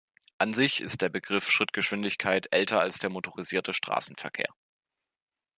An sich ist der Begriff Schrittgeschwindigkeit älter als der motorisierte Straßenverkehr.